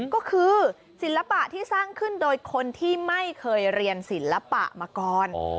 ก็คือศิลปะที่สร้างขึ้นโดยคนที่ไม่เคยเรียนศิลปะมาก่อน